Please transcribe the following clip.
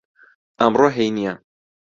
ئەمڕۆ هەینییە.